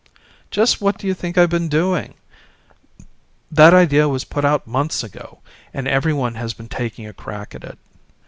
"Just what do you think I've been doing? That idea was put out months ago, and everyone has been taking a crack at it.